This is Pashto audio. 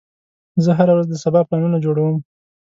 زه هره ورځ د سبا پلانونه جوړوم.